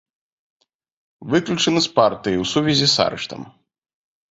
Выключаны з партыі ў сувязі з арыштам.